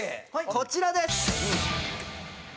こちらです。